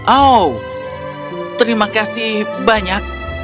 oh terima kasih banyak